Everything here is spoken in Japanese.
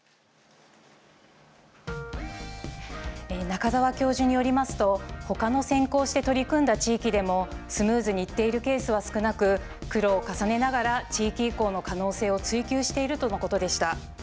中澤教授によりますとほかの先行して取り組んだ地域でもスムーズにいっているケースは少なく苦労を重ねながら地域移行の可能性を追求しているとのことでした。